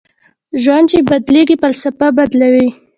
ژوند چې بدلېږي فلسفه بدلوي